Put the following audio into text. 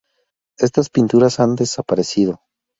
Estas pinturas han desaparecido.